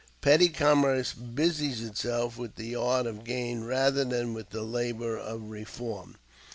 Petty commerce busies itself with the art of gain rather than with the labor of reform.